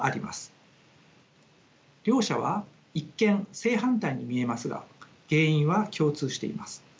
両者は一見正反対に見えますが原因は共通しています。